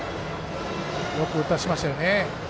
よく打たせましたよね。